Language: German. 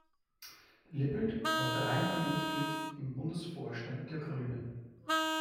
Lippelt war dreimal Mitglied im Bundesvorstand der Grünen.